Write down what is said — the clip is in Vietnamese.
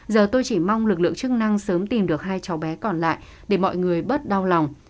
giờ tôi chỉ mong lực lượng chức năng sớm tìm được hai cháu bé còn lại để mọi người bớt đau lòng